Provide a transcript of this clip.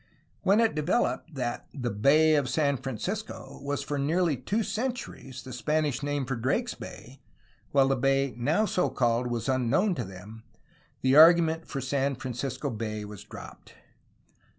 When it developed that the "Bay of San Francisco" was for nearly two centuries the Spanish name for Drake's Bay, while the bay now so called was unknown to them, the argument for San Francisco Bay was dropped.